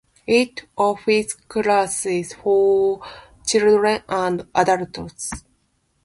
It offers classes for children and adults.